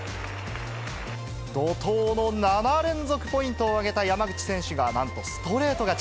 怒とうの７連続ポイントを挙げた山口選手がなんとストレート勝ち。